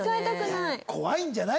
怖いんじゃない？